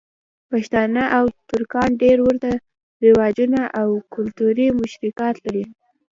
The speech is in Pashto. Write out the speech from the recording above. پښتانه او ترکان ډېر ورته رواجونه او کلتوری مشترکات لری.